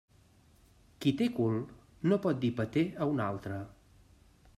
Qui té cul no pot dir peter a un altre.